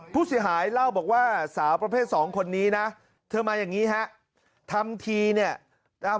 ผู้เสียหายเล่าบอกว่าสาวประเภทสองคนนี้นะเธอมาอย่างงี้ฮะทำทีเนี่ยนะฮะ